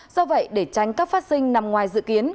do vậy để tránh các phát sinh nằm ngoài dự kiến